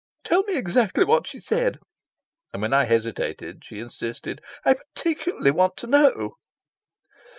"Tell me exactly what she said." And when I hesitated, she insisted. "I particularly want to know."